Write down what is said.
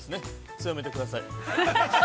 強めてください。